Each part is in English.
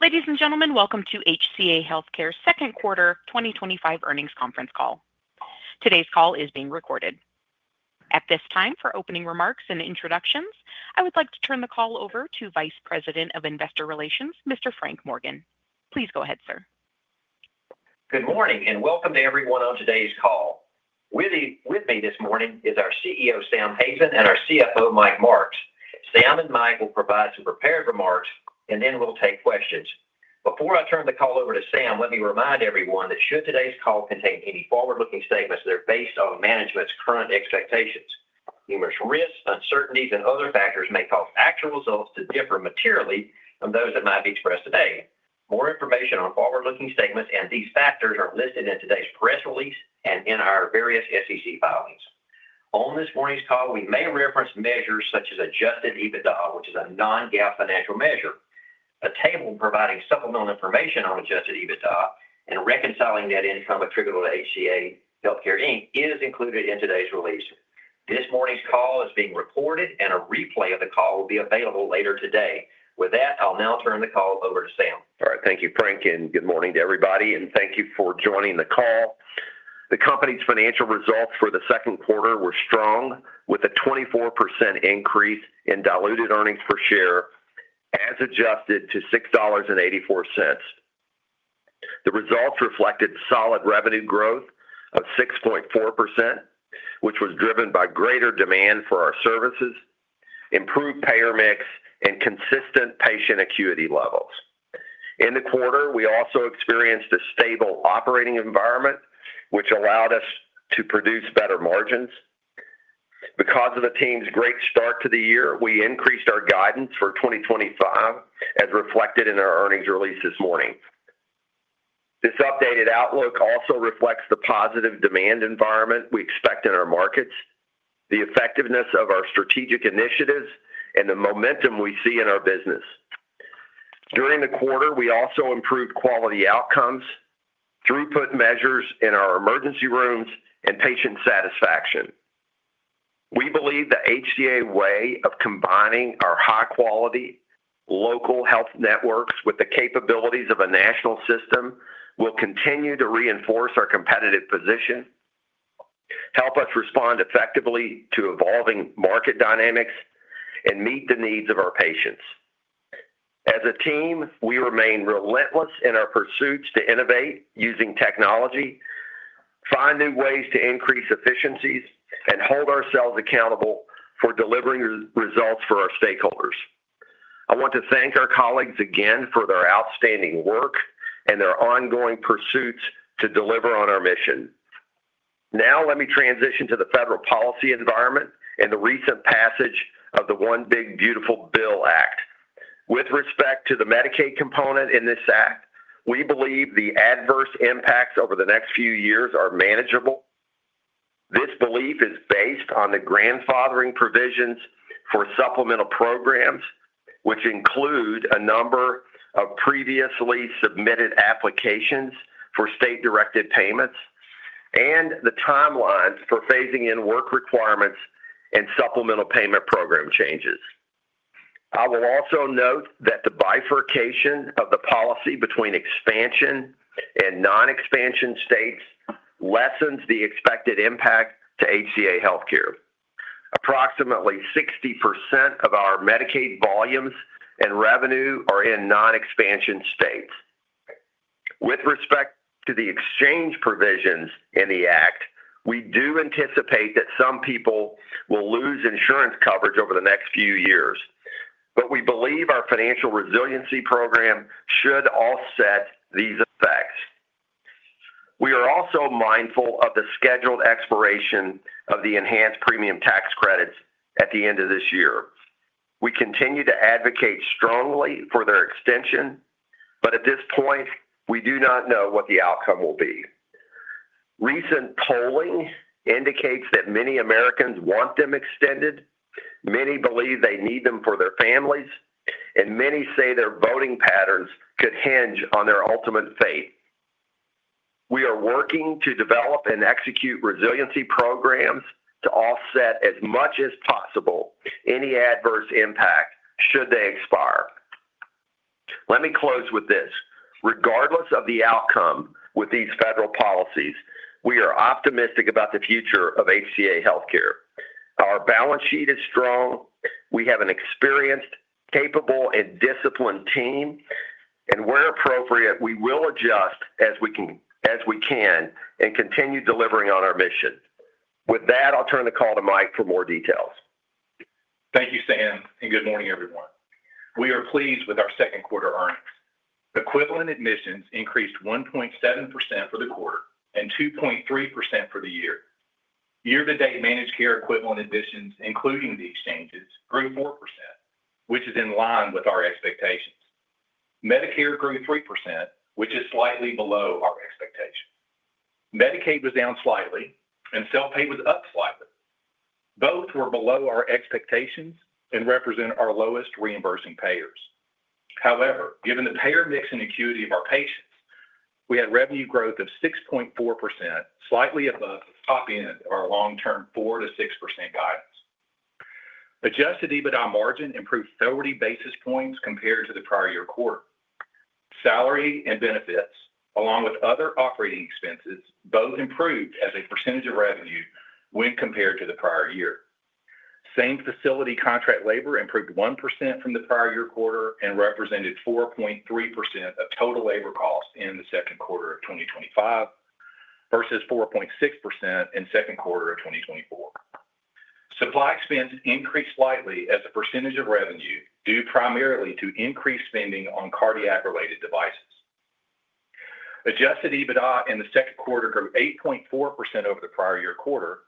Ladies and gentlemen, welcome to HCA Healthcare's second quarter 2025 earnings conference call. Today's call is being recorded. At this time, for opening remarks and introductions, I would like to turn the call over to Vice President of Investor Relations, Mr. Frank Morgan. Please go ahead, sir. Good morning and welcome to everyone on today's call. With me this morning is our CEO, Sam Hazen, and our CFO, Mike Marks. Sam and Mike will provide some prepared remarks, and then we'll take questions. Before I turn the call over to Sam, let me remind everyone that should today's call contain any forward-looking statements, they're based on management's current expectations. Numerous risks, uncertainties, and other factors may cause actual results to differ materially from those that might be expressed today. More information on forward-looking statements and these factors are listed in today's press release and in our various SEC filings. On this morning's call, we may reference measures such as adjusted EBITDA, which is a non-GAAP financial measure. A table providing supplemental information on adjusted EBITDA and reconciling net income attributable to HCA Healthcare is included in today's release. This morning's call is being recorded, and a replay of the call will be available later today. With that, I'll now turn the call over to Sam. All right. Thank you, Frank, and good morning to everybody, and thank you for joining the call. The company's financial results for the second quarter were strong, with a 24% increase in diluted earnings per share as adjusted to $6.84. The results reflected solid revenue growth of 6.4%, which was driven by greater demand for our services, improved payer mix, and consistent patient acuity levels. In the quarter, we also experienced a stable operating environment, which allowed us to produce better margins. Because of the team's great start to the year, we increased our guidance for 2025, as reflected in our earnings release this morning. This updated outlook also reflects the positive demand environment we expect in our markets, the effectiveness of our strategic initiatives, and the momentum we see in our business. During the quarter, we also improved quality outcomes, throughput measures in our emergency rooms, and patient satisfaction. We believe the HCA way of combining our high-quality local health networks with the capabilities of a national system will continue to reinforce our competitive position. Help us respond effectively to evolving market dynamics, and meet the needs of our patients. As a team, we remain relentless in our pursuits to innovate using technology, find new ways to increase efficiencies, and hold ourselves accountable for delivering results for our stakeholders. I want to thank our colleagues again for their outstanding work and their ongoing pursuits to deliver on our mission. Now, let me transition to the federal policy environment and the recent passage of the One Big Beautiful Bill Act. With respect to the Medicaid component in this act, we believe the adverse impacts over the next few years are manageable. This belief is based on the grandfathering provisions for supplemental programs, which include a number of previously submitted applications for state-directed payments and the timelines for phasing in work requirements and supplemental payment program changes. I will also note that the bifurcation of the policy between expansion and non-expansion states lessens the expected impact to HCA Healthcare. Approximately 60% of our Medicaid volumes and revenue are in non-expansion states. With respect to the exchange provisions in the act, we do anticipate that some people will lose insurance coverage over the next few years, but we believe our financial resiliency program should offset these effects. We are also mindful of the scheduled expiration of the enhanced premium tax credits at the end of this year. We continue to advocate strongly for their extension, but at this point, we do not know what the outcome will be. Recent polling indicates that many Americans want them extended, many believe they need them for their families, and many say their voting patterns could hinge on their ultimate fate. We are working to develop and execute resiliency programs to offset as much as possible any adverse impact should they expire. Let me close with this: regardless of the outcome with these federal policies, we are optimistic about the future of HCA Healthcare. Our balance sheet is strong. We have an experienced, capable, and disciplined team, and where appropriate, we will adjust as we can and continue delivering on our mission. With that, I'll turn the call to Mike for more details. Thank you, Sam, and good morning, everyone. We are pleased with our second quarter earnings. Equivalent admissions increased 1.7% for the quarter and 2.3% for the year. Year-to-date managed care equivalent admissions, including the exchanges, grew 4%, which is in line with our expectations. Medicare grew 3%, which is slightly below our expectations. Medicaid was down slightly, and self-pay was up slightly. Both were below our expectations and represent our lowest reimbursing payers. However, given the payer mix and acuity of our patients, we had revenue growth of 6.4%, slightly above the top end of our long-term 4%-6% guidance. Adjusted EBITDA margin improved 30 basis points compared to the prior year quarter. Salary and benefits, along with other operating expenses, both improved as a percentage of revenue when compared to the prior year. Same facility contract labor improved 1% from the prior year quarter and represented 4.3% of total labor costs in the second quarter of 2025 versus 4.6% in the second quarter of 2024. Supply expense increased slightly as a percentage of revenue due primarily to increased spending on cardiac-related devices. Adjusted EBITDA in the second quarter grew 8.4% over the prior year quarter,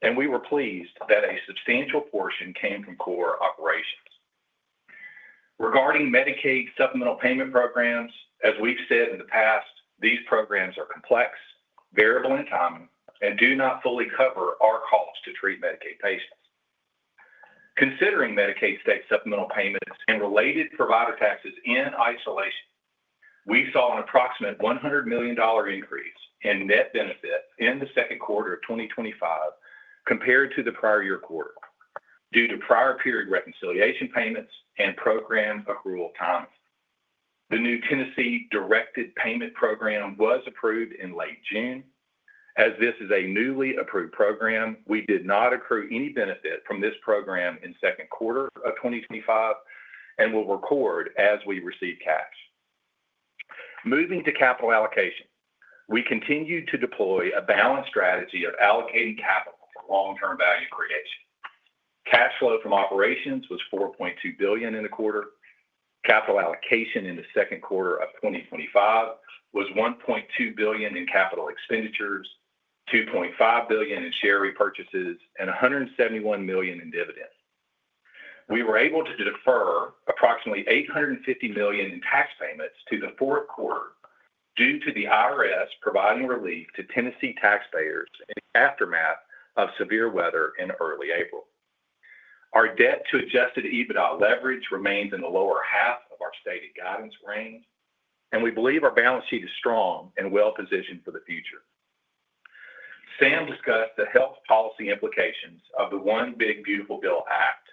and we were pleased that a substantial portion came from core operations. Regarding Medicaid supplemental payment programs, as we've said in the past, these programs are complex, variable in time, and do not fully cover our cost to treat Medicaid patients. Considering Medicaid state supplemental payments and related provider taxes in isolation, we saw an approximate $100 million increase in net benefit in the second quarter of 2025 compared to the prior year quarter due to prior period reconciliation payments and program accrual times. The new Tennessee Directed Payment Program was approved in late June. As this is a newly approved program, we did not accrue any benefit from this program in the second quarter of 2025 and will record as we receive cash. Moving to capital allocation, we continued to deploy a balanced strategy of allocating capital for long-term value creation. Cash flow from operations was $4.2 billion in the quarter. Capital allocation in the second quarter of 2025 was $1.2 billion in capital expenditures, $2.5 billion in share repurchases, and $171 million in dividends. We were able to defer approximately $850 million in tax payments to the fourth quarter due to the IRS providing relief to Tennessee taxpayers in the aftermath of severe weather in early April. Our debt to adjusted EBITDA leverage remains in the lower half of our stated guidance range, and we believe our balance sheet is strong and well-positioned for the future. Sam discussed the health policy implications of the One Big Beautiful Bill Act.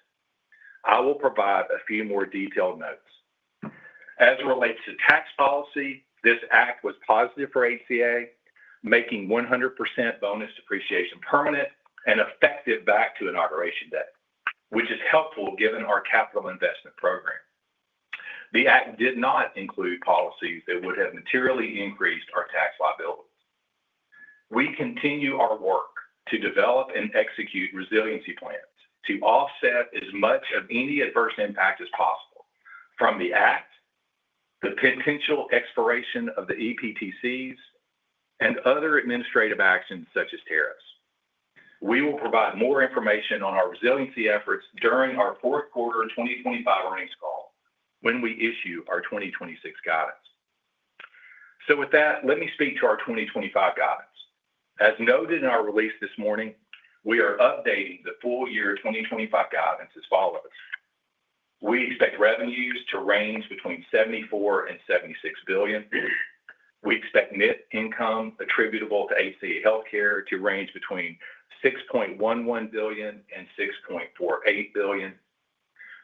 I will provide a few more detailed notes. As it relates to tax policy, this act was positive for HCA, making 100% bonus depreciation permanent and effective back to inauguration day, which is helpful given our capital investment program. The act did not include policies that would have materially increased our tax liability. We continue our work to develop and execute resiliency plans to offset as much of any adverse impact as possible from the act, the potential expiration of the EPTCs, and other administrative actions such as tariffs. We will provide more information on our resiliency efforts during our fourth quarter 2025 earnings call when we issue our 2026 guidance. With that, let me speak to our 2025 guidance. As noted in our release this morning, we are updating the full year 2025 guidance as follows. We expect revenues to range between $74 billion and $76 billion. We expect net income attributable to HCA Healthcare to range between $6.11 billion and $6.48 billion.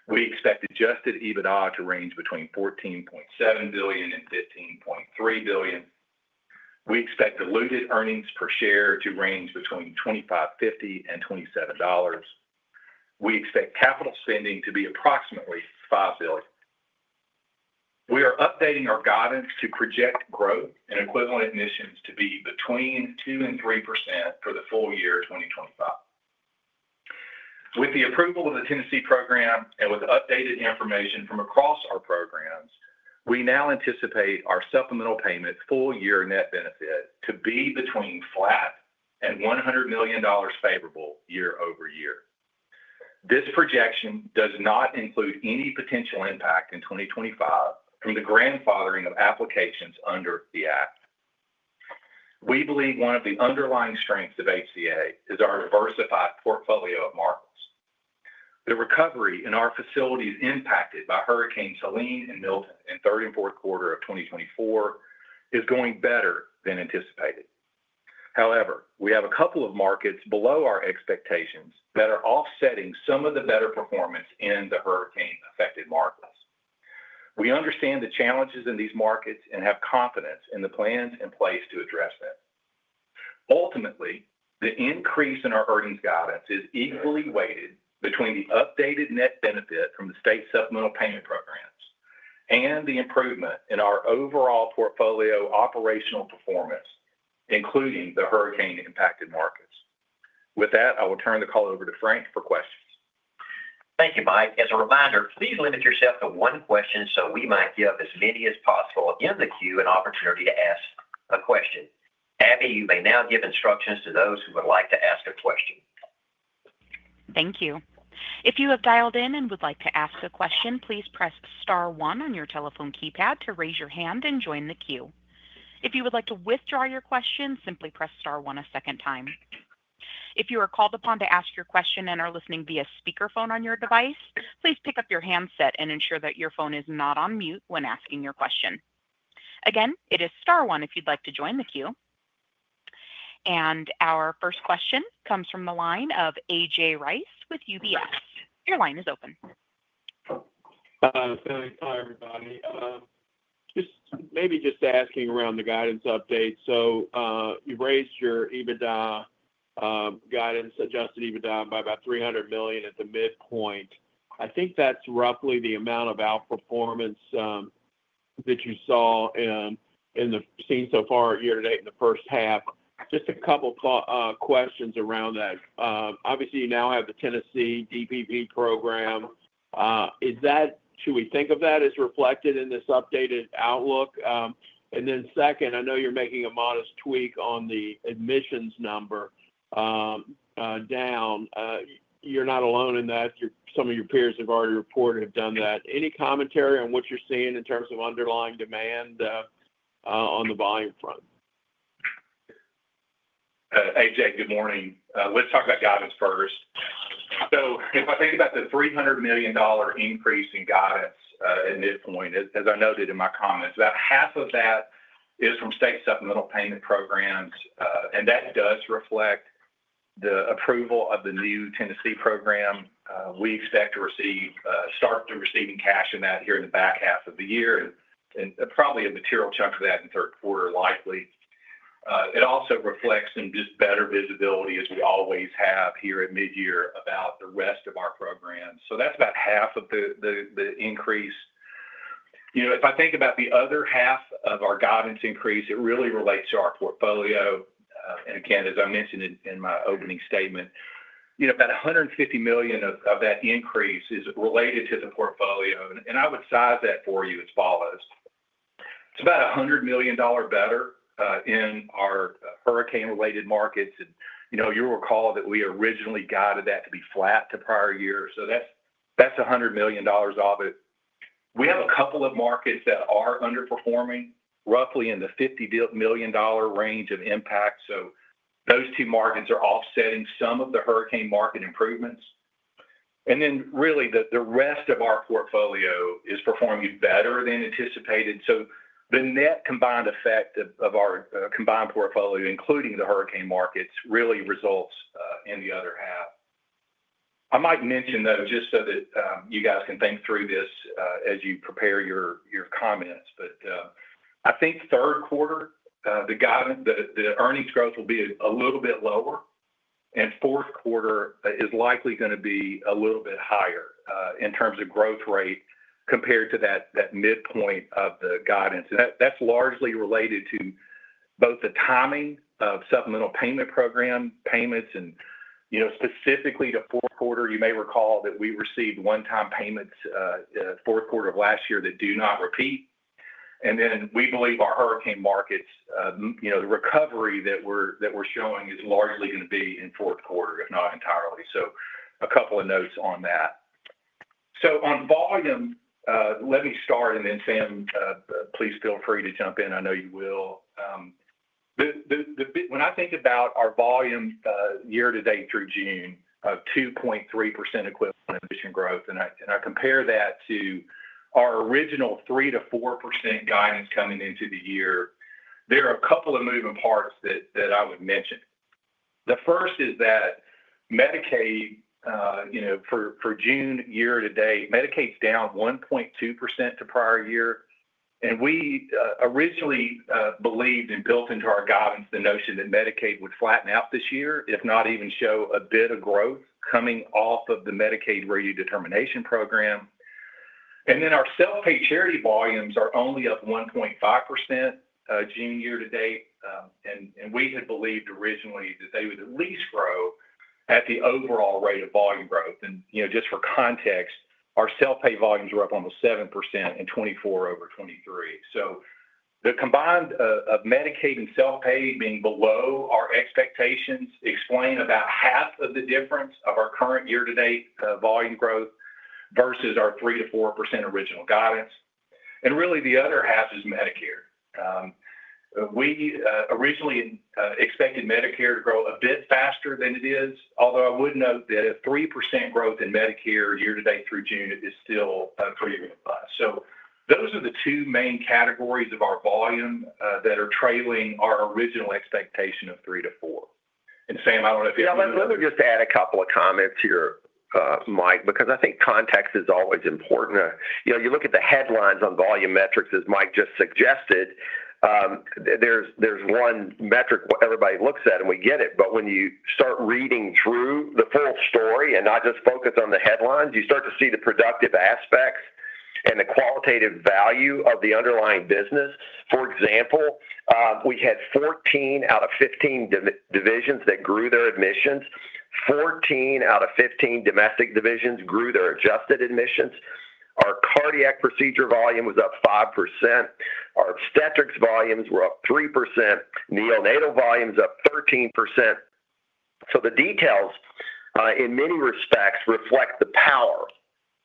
We expect adjusted EBITDA to range between $14.7 billion and $15.3 billion. We expect diluted earnings per share to range between $25.50 and $27. We expect capital spending to be approximately $5 billion. We are updating our guidance to project growth in equivalent admissions to be between 2% and 3% for the full year 2025. With the approval of the Tennessee program and with updated information from across our programs, we now anticipate our supplemental payment full year net benefit to be between flat and $100 million favorable year-over-year. This projection does not include any potential impact in 2025 from the grandfathering of applications under the act. We believe one of the underlying strengths of HCA is our diversified portfolio of markets. The recovery in our facilities impacted by Hurricane Selene and Milton in the third and fourth quarter of 2024 is going better than anticipated. However, we have a couple of markets below our expectations that are offsetting some of the better performance in the hurricane-affected markets. We understand the challenges in these markets and have confidence in the plans in place to address them. Ultimately, the increase in our earnings guidance is equally weighted between the updated net benefit from the state supplemental payment programs and the improvement in our overall portfolio operational performance, including the hurricane-impacted markets. With that, I will turn the call over to Frank for questions. Thank you, Mike. As a reminder, please limit yourself to one question so we might give as many as possible in the queue an opportunity to ask a question. Abby, you may now give instructions to those who would like to ask a question. Thank you. If you have dialed in and would like to ask a question, please press star one on your telephone keypad to raise your hand and join the queue. If you would like to withdraw your question, simply press star one a second time. If you are called upon to ask your question and are listening via speakerphone on your device, please pick up your handset and ensure that your phone is not on mute when asking your question. Again, it is star one if you'd like to join the queue. Our first question comes from the line of AJ Rice with UBS. Your line is open. Hi, everybody. Maybe just asking around the guidance update. You raised your EBITDA guidance, adjusted EBITDA by about $300 million at the midpoint. I think that's roughly the amount of outperformance that you have seen so far year-to-date in the first half. Just a couple of questions around that. Obviously, you now have the Tennessee DPP program. Is that, should we think of that as reflected in this updated outlook? I know you're making a modest tweak on the admissions number down. You're not alone in that. Some of your peers who have already reported have done that. Any commentary on what you're seeing in terms of underlying demand on the volume front? AJ, good morning. Let's talk about guidance first. If I think about the $300 million increase in guidance at midpoint, as I noted in my comments, about half of that is from state supplemental payment programs. That does reflect the approval of the new Tennessee program. We expect to start receiving cash in that here in the back half of the year and probably a material chunk of that in the third quarter, likely. It also reflects just better visibility, as we always have here at mid-year, about the rest of our program. That is about half of the increase. If I think about the other half of our guidance increase, it really relates to our portfolio. Again, as I mentioned in my opening statement, about $150 million of that increase is related to the portfolio. I would size that for you as follows. It is about $100 million better in our hurricane-related markets. You will recall that we originally guided that to be flat to prior year. That is $100 million of it. We have a couple of markets that are underperforming, roughly in the $50 million range of impact. Those two markets are offsetting some of the hurricane market improvements. The rest of our portfolio is performing better than anticipated. The net combined effect of our combined portfolio, including the hurricane markets, really results in the other half. I might mention, just so that you guys can think through this as you prepare your comments, I think third quarter, the earnings growth will be a little bit lower, and fourth quarter is likely going to be a little bit higher in terms of growth rate compared to that midpoint of the guidance. That is largely related to both the timing of supplemental payment program payments. Specifically to fourth quarter, you may recall that we received one-time payments fourth quarter of last year that do not repeat. We believe our hurricane markets, the recovery that we are showing is largely going to be in fourth quarter, if not entirely. A couple of notes on that. On volume, let me start, and then Sam, please feel free to jump in. I know you will. When I think about our volume year-to-date through June of 2.3% equivalent admission growth, and I compare that to our original 3%-4% guidance coming into the year, there are a couple of moving parts that I would mention. The first is that Medicaid, for June year-to-date, medicaid is down 1.2% to prior year. We originally believed and built into our guidance the notion that Medicaid would flatten out this year, if not even show a bit of growth coming off of the Medicaid redetermination program. Our self-pay charity volumes are only up 1.5% June year-to-date. We had believed originally that they would at least grow at the overall rate of volume growth. Just for context, our self-pay volumes were up almost 7% in 2024 over 2023. The combined Medicaid and self-pay being below our expectations explain about half of the difference of our current year-to-date volume growth versus our 3%-4% original guidance. Really, the other half is Medicare. We originally expected Medicare to grow a bit faster than it is, although I would note that a 3% growth in Medicare year-to-date through June is still pretty good. Those are the two main categories of our volume that are trailing our original expectation of 3%-4%. Sam, I do not know if you have anything to add. Yeah, let me just add a couple of comments here, Mike, because I think context is always important. You look at the headlines on volume metrics, as Mike just suggested. There's one metric everybody looks at, and we get it. But when you start reading through the full story and not just focus on the headlines, you start to see the productive aspects and the qualitative value of the underlying business. For example, we had 14 out of 15 divisions that grew their admissions. Fourteen out of 15 domestic divisions grew their adjusted admissions. Our cardiac procedure volume was up 5%. Our obstetrics volumes were up 3%. Neonatal volumes up 13%. The details, in many respects, reflect the power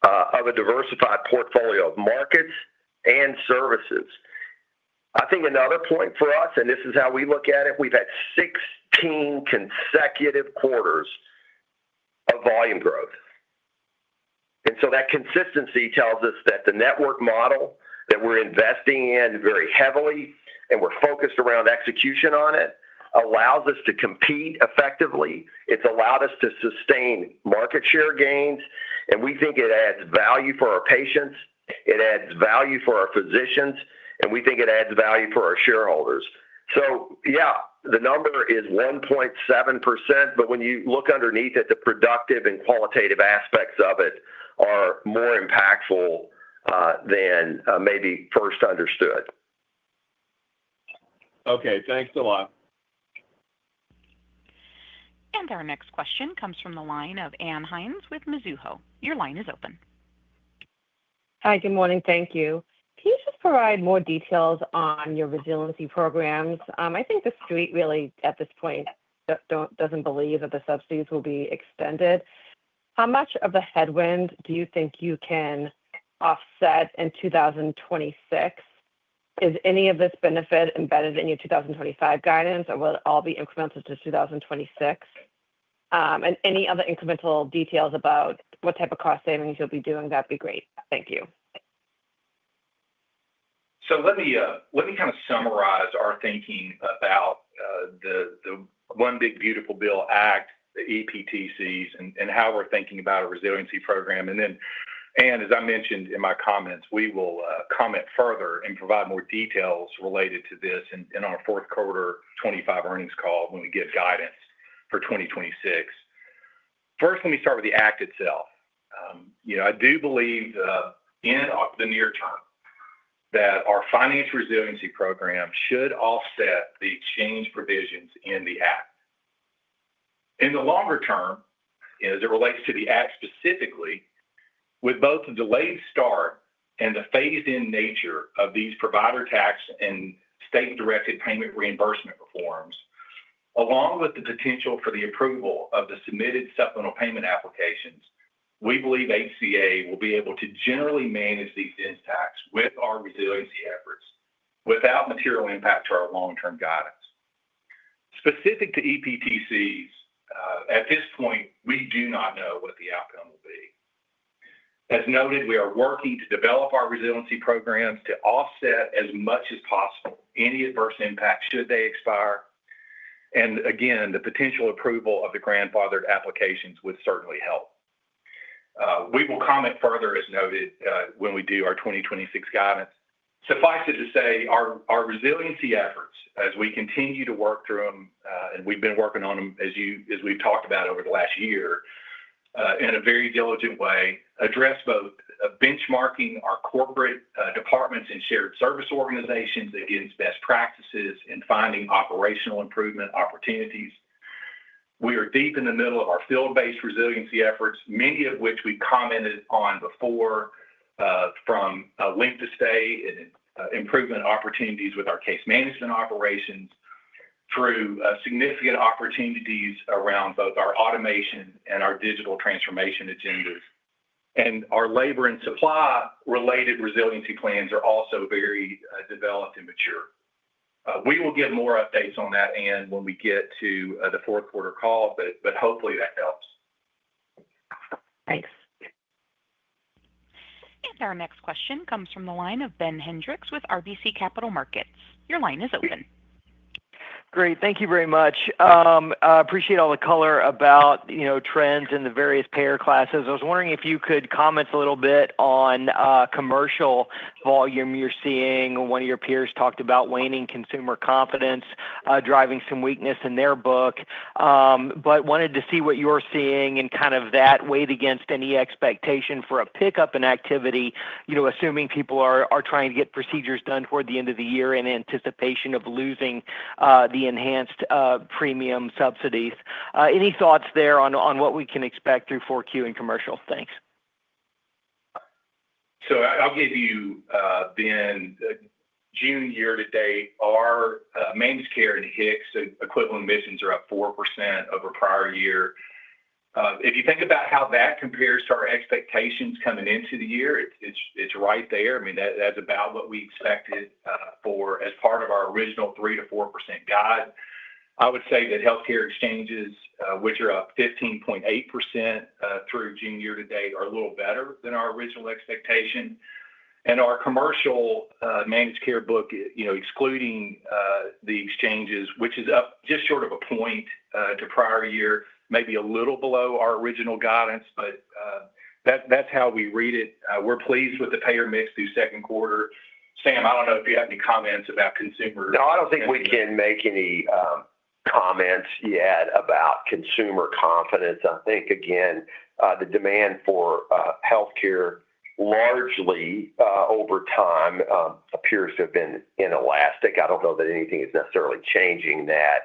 of a diversified portfolio of markets and services. I think another point for us, and this is how we look at it, we've had 16 consecutive quarters of volume growth. That consistency tells us that the network model that we're investing in very heavily and we're focused around execution on it allows us to compete effectively. It's allowed us to sustain market share gains. We think it adds value for our patients. It adds value for our physicians. We think it adds value for our shareholders. Yeah, the number is 1.7%, but when you look underneath it, the productive and qualitative aspects of it are more impactful than maybe first understood. Okay, thanks a lot. Our next question comes from the line of Ann Hynes with Mizuho. Your line is open. Hi, good morning. Thank you. Can you just provide more details on your resiliency programs? I think the street really, at this point, doesn't believe that the subsidies will be extended. How much of the headwind do you think you can offset in 2026? Is any of this benefit embedded in your 2025 guidance, or will it all be incremental to 2026? Any other incremental details about what type of cost savings you'll be doing, that'd be great. Thank you. Let me kind of summarize our thinking about the One Big Beautiful Bill Act, the EPTCs, and how we're thinking about a resiliency program. Anne, as I mentioned in my comments, we will comment further and provide more details related to this in our fourth quarter 2025 earnings call when we get guidance for 2026. First, let me start with the act itself. I do believe in the near-term that our finance resiliency program should offset the exchange provisions in the act. In the longer term, as it relates to the act specifically, with both the delayed start and the phased-in nature of these provider tax and state-directed payment reimbursement reforms, along with the potential for the approval of the submitted supplemental payment applications, we believe HCA will be able to generally manage these intact with our resiliency efforts without material impact to our long-term guidance. Specific to EPTCs, at this point, we do not know what the outcome will be. As noted, we are working to develop our resiliency programs to offset as much as possible any adverse impact should they expire. Again, the potential approval of the grandfathered applications would certainly help. We will comment further, as noted, when we do our 2026 guidance. Suffice it to say, our resiliency efforts, as we continue to work through them, and we've been working on them, as we've talked about over the last year, in a very diligent way, address both benchmarking our corporate departments and shared service organizations against best practices and finding operational improvement opportunities. We are deep in the middle of our field-based resiliency efforts, many of which we commented on before. From length of stay and improvement opportunities with our case management operations through significant opportunities around both our automation and our digital transformation agendas. Our labor and supply-related resiliency plans are also very developed and mature. We will get more updates on that, Ann, when we get to the fourth quarter call, but hopefully that helps. Thanks. Our next question comes from the line of Ben Hendricks with RBC Capital Markets. Your line is open. Great. Thank you very much. I appreciate all the color about trends in the various payer classes. I was wondering if you could comment a little bit on commercial volume you're seeing. One of your peers talked about waning consumer confidence, driving some weakness in their book. Wanted to see what you're seeing and kind of that weight against any expectation for a pickup in activity, assuming people are trying to get procedures done toward the end of the year in anticipation of losing the enhanced premium tax credits. Any thoughts there on what we can expect through 4Q in commercial? Thanks. I'll give you. June year-to-date, our mains care and HICS equivalent admissions are up 4% over prior year. If you think about how that compares to our expectations coming into the year, it's right there. I mean, that's about what we expected as part of our original 3%-4% guide. I would say that healthcare exchanges, which are up 15.8% through June year-to-date, are a little better than our original expectation. And our commercial mains care book, excluding the exchanges, which is up just short of a point to prior year, maybe a little below our original guidance, but that's how we read it. We're pleased with the payer mix through second quarter. Sam, I don't know if you have any comments about consumer. No, I don't think we can make any comments yet about consumer confidence. I think, again, the demand for healthcare largely over time appears to have been inelastic. I don't know that anything is necessarily changing that.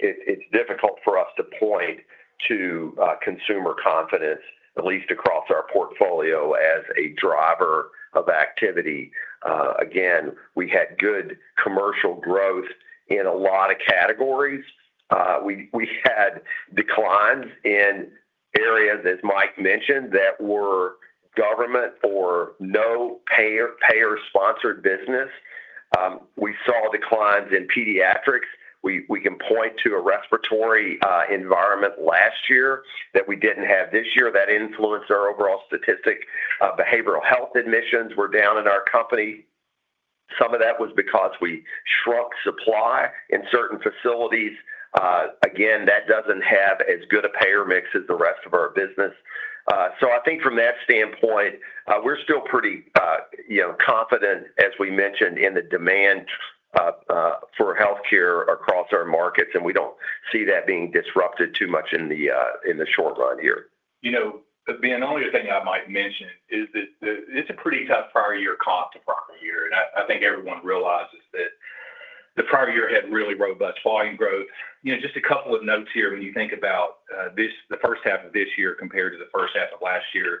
It's difficult for us to point to consumer confidence, at least across our portfolio, as a driver of activity. Again, we had good commercial growth in a lot of categories. We had declines in areas, as Mike mentioned, that were government or no payer-sponsored business. We saw declines in pediatrics. We can point to a respiratory environment last year that we didn't have this year that influenced our overall statistic. Behavioral health admissions were down in our company. Some of that was because we shrunk supply in certain facilities. That doesn't have as good a payer mix as the rest of our business. I think from that standpoint, we're still pretty confident, as we mentioned, in the demand for healthcare across our markets, and we don't see that being disrupted too much in the short run here. The only thing I might mention is that it's a pretty tough prior year comp to prior year. I think everyone realizes that the prior year had really robust volume growth. Just a couple of notes here. When you think about the first half of this year compared to the first half of last year,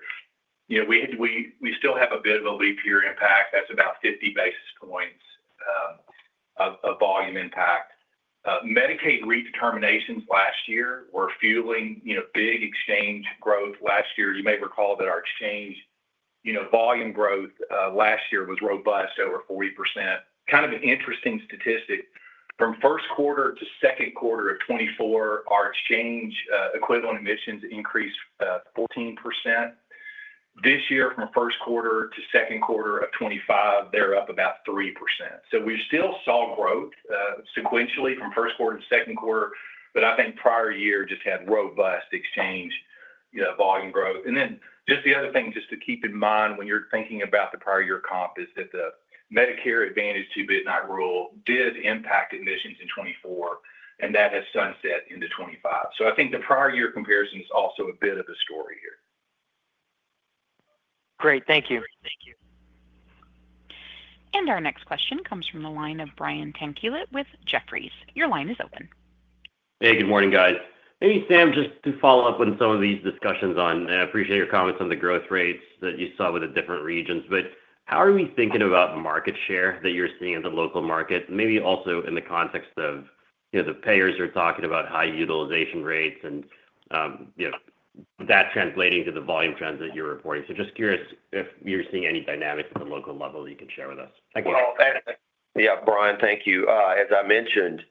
we still have a bit of a leap year impact. That's about 50 basis points of volume impact. Medicaid redeterminations last year were fueling big exchange growth last year. You may recall that our exchange volume growth last year was robust, over 40%. Kind of an interesting statistic. From first quarter to second quarter of 2024, our exchange equivalent admissions increased 14%. This year, from first quarter to second quarter of 2025, they're up about 3%. We still saw growth sequentially from first quarter to second quarter, but I think prior year just had robust exchange volume growth. The other thing just to keep in mind when you're thinking about the prior year comp is that the Medicare Advantage to Beat Night Rule did impact admissions in 2024, and that has sunset into 2025. I think the prior year comparison is also a bit of a story here. Great. Thank you. Our next question comes from the line of Brian Tanquillet with Jefferies. Your line is open. Hey, good morning, guys. Maybe Sam, just to follow up on some of these discussions on, and I appreciate your comments on the growth rates that you saw with the different regions, but how are we thinking about market share that you're seeing at the local market? Maybe also in the context of the payers are talking about high utilization rates and that translating to the volume trends that you're reporting. Just curious if you're seeing any dynamics at the local level that you can share with us. Yeah, Brian, thank you. As I mentioned,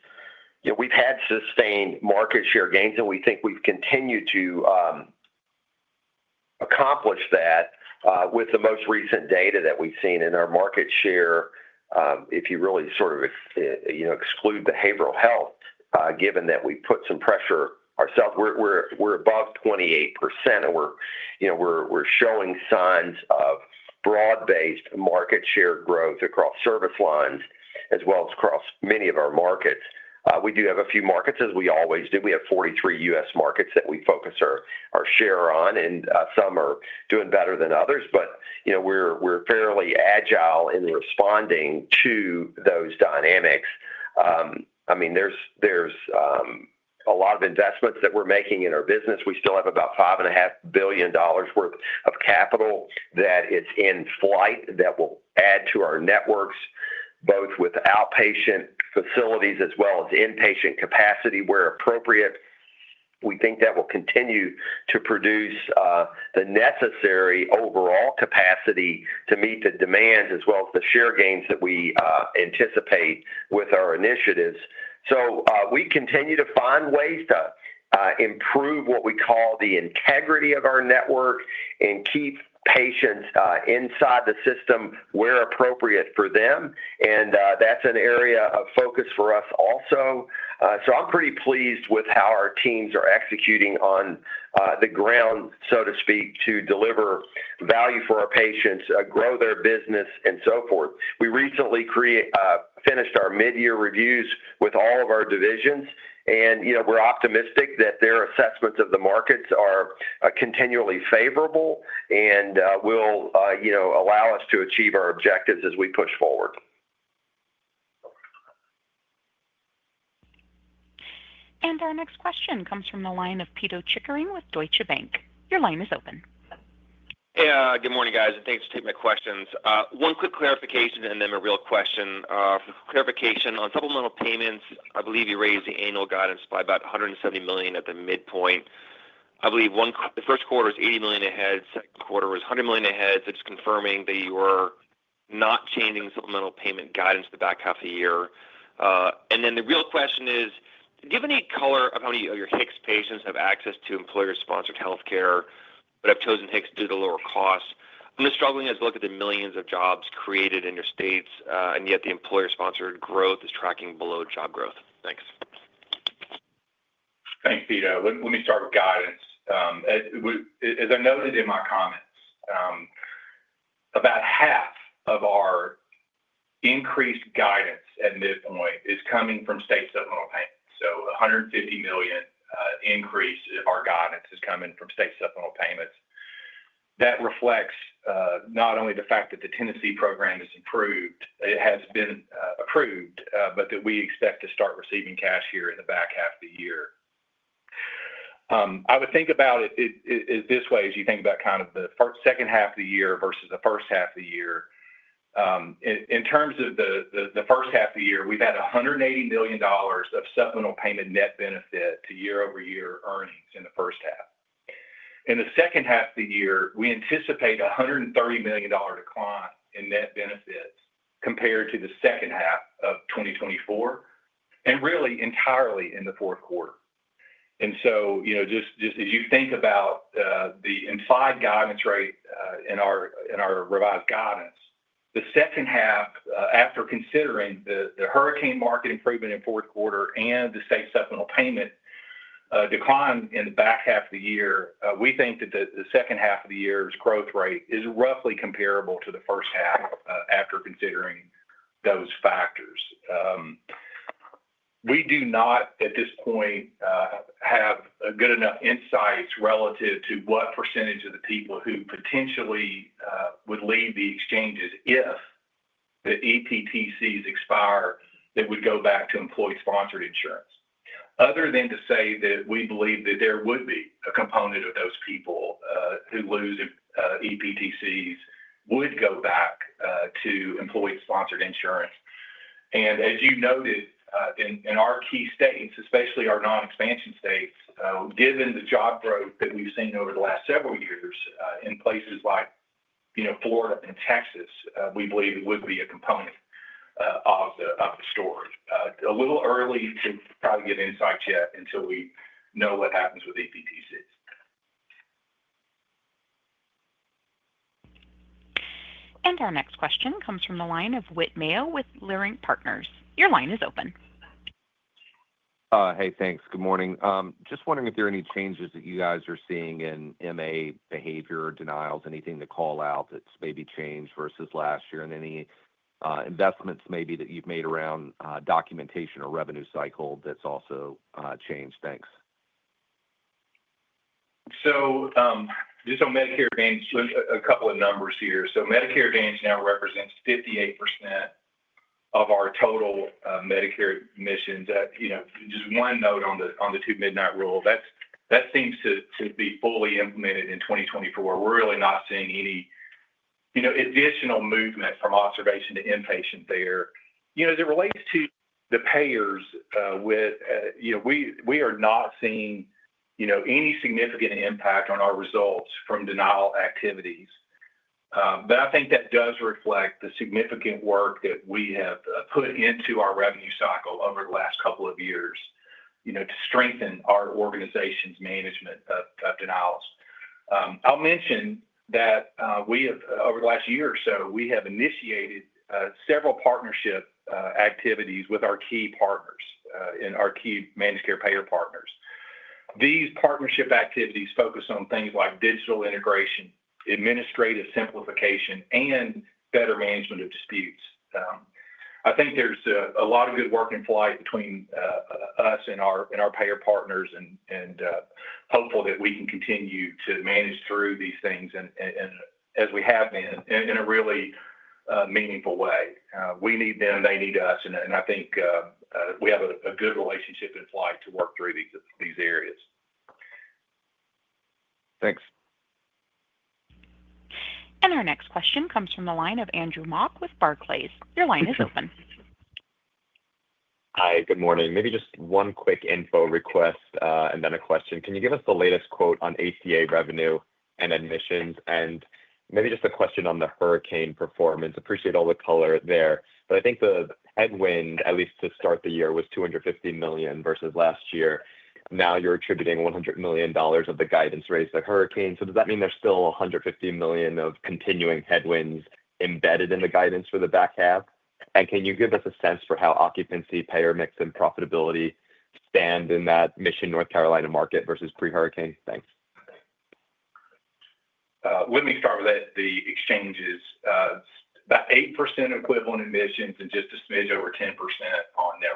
we've had sustained market share gains, and we think we've continued to accomplish that with the most recent data that we've seen in our market share. If you really sort of exclude behavioral health, given that we put some pressure ourselves, we're above 28%, and we're showing signs of broad-based market share growth across service lines as well as across many of our markets. We do have a few markets, as we always do. We have 43 U.S. markets that we focus our share on, and some are doing better than others, but we're fairly agile in responding to those dynamics. I mean, there's a lot of investments that we're making in our business. We still have about $5.5 billion worth of capital that is in flight that will add to our networks, both with outpatient facilities as well as inpatient capacity where appropriate. We think that will continue to produce the necessary overall capacity to meet the demands as well as the share gains that we anticipate with our initiatives. We continue to find ways to improve what we call the integrity of our network and keep patients inside the system where appropriate for them. That's an area of focus for us also. I'm pretty pleased with how our teams are executing on the ground, so to speak, to deliver value for our patients, grow their business, and so forth. We recently finished our mid-year reviews with all of our divisions, and we're optimistic that their assessments of the markets are continually favorable and will allow us to achieve our objectives as we push forward. Our next question comes from the line of Pito Chickering with Deutsche Bank. Your line is open. Yeah, good morning, guys. Thanks for taking my questions. One quick clarification and then a real question. For clarification, on supplemental payments, I believe you raised the annual guidance by about $170 million at the midpoint. I believe the first quarter is $80 million ahead. Second quarter was $100 million ahead. Just confirming that you are not changing supplemental payment guidance the back half of the year. The real question is, do you have any color of how many of your HICS patients have access to employer-sponsored healthcare, but have chosen HICS due to lower costs? I'm just struggling as I look at the millions of jobs created in your states, and yet the employer-sponsored growth is tracking below job growth. Thanks. Thanks, Peter. Let me start with guidance. As I noted in my comments, about half of our increased guidance at midpoint is coming from state supplemental payments. So a $150 million increase in our guidance is coming from state supplemental payments. That reflects not only the fact that the Tennessee program has been approved, but that we expect to start receiving cash here in the back half of the year. I would think about it this way as you think about kind of the second half of the year versus the first half of the year. In terms of the first half of the year, we've had $180 million of supplemental payment net benefit to year-over-year earnings in the first half. In the second half of the year, we anticipate a $130 million decline in net benefits compared to the second half of 2024, and really entirely in the fourth quarter. Just as you think about the implied guidance rate in our revised guidance, the second half, after considering the hurricane market improvement in fourth quarter and the state supplemental payment decline in the back half of the year, we think that the second half of the year's growth rate is roughly comparable to the first half after considering those factors. We do not, at this point, have good enough insights relative to what percentage of the people who potentially would leave the exchanges if the EPTCs expire that would go back to employee-sponsored insurance, other than to say that we believe that there would be a component of those people who lose EPTCs would go back to employee-sponsored insurance. As you noted, in our key states, especially our non-expansion states, given the job growth that we've seen over the last several years in places like Florida and Texas, we believe it would be a component of the story. A little early to probably get insight yet until we know what happens with EPTCs. Our next question comes from the line of Whit Mayo with Luring Partners. Your line is open. Hey, thanks. Good morning. Just wondering if there are any changes that you guys are seeing in MA behavior denials, anything to call out that's maybe changed versus last year, and any investments maybe that you've made around documentation or revenue cycle that's also changed. Thanks. Just on Medicare Advantage, a couple of numbers here. Medicare Advantage now represents 58% of our total Medicare admissions. Just one note on the two midnight rule. That seems to be fully implemented in 2024. We're really not seeing any additional movement from observation to inpatient there. As it relates to the payers, we are not seeing any significant impact on our results from denial activities. I think that does reflect the significant work that we have put into our revenue cycle over the last couple of years to strengthen our organization's management of denials. I'll mention that over the last year or so, we have initiated several partnership activities with our key partners and our key managed care payer partners. These partnership activities focus on things like digital integration, administrative simplification, and better management of disputes. I think there's a lot of good work in flight between us and our payer partners and hopeful that we can continue to manage through these things as we have been in a really meaningful way. We need them. They need us. I think we have a good relationship in flight to work through these areas. Thanks. Our next question comes from the line of Andrew Mock with Barclays. Your line is open. Hi, good morning. Maybe just one quick info request and then a question. Can you give us the latest quote on ACA revenue and admissions? Maybe just a question on the hurricane performance. Appreciate all the color there. I think the headwind, at least to start the year, was $250 million versus last year. Now you're attributing $100 million of the guidance raised at hurricane. Does that mean there's still $150 million of continuing headwinds embedded in the guidance for the back half? Can you give us a sense for how occupancy, payer mix, and profitability stand in that Michigan, North Carolina market versus pre-hurricane? Thanks. Let me start with that. The exchange is about 8% equivalent admissions and just a smidge over 10% on net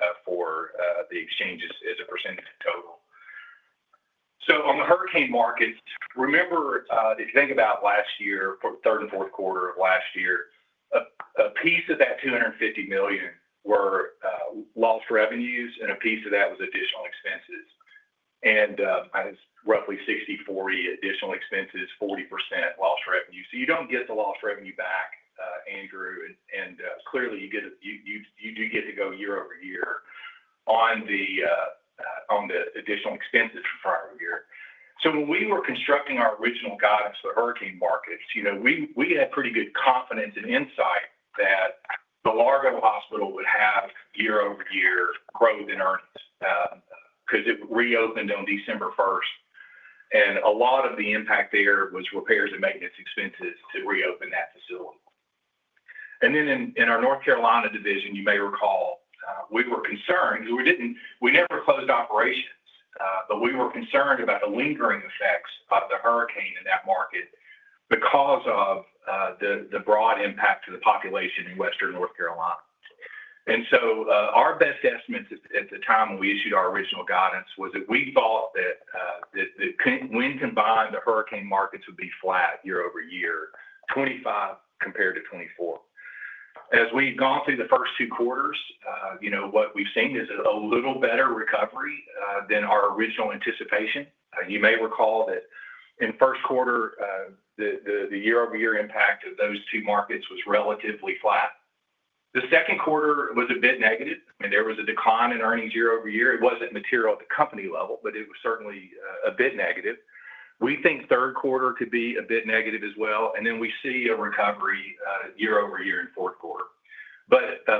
revenues for the exchanges as a percentage total. On the hurricane markets, remember, if you think about last year, third and fourth quarter of last year, a piece of that $250 million were lost revenues, and a piece of that was additional expenses. Roughly 60/40 additional expenses, 40% lost revenue. You do not get the lost revenue back, Andrew, and clearly you do get to go year-over-year on the additional expenses from prior year. When we were constructing our original guidance for hurricane markets, we had pretty good confidence and insight that the Largo Hospital would have year-over-year growth in earnings because it reopened on December 1st. A lot of the impact there was repairs and maintenance expenses to reopen that facility. In our North Carolina division, you may recall, we were concerned because we never closed operations, but we were concerned about the lingering effects of the hurricane in that market because of the broad impact to the population in western North Carolina. Our best estimates at the time when we issued our original guidance was that we thought that when combined, the hurricane markets would be flat year-over-year, 2025 compared to 2024. As we have gone through the first two quarters, what we have seen is a little better recovery than our original anticipation. You may recall that in first quarter, the year-over-year impact of those two markets was relatively flat. The second quarter was a bit negative. I mean, there was a decline in earnings year-over-year. It was not material at the company level, but it was certainly a bit negative. We think third quarter could be a bit negative as well. We see a recovery year-over-year in fourth quarter.